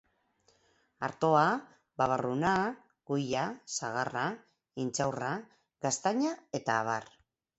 Artoa, babarruna, kuia, sagarra, intxaurra, gaztaina eta abar.